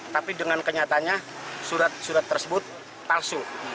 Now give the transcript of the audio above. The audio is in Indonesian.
tapi dengan kenyataannya surat surat tersebut palsu